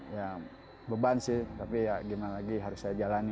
ya beban sih tapi ya gimana lagi harus saya jalani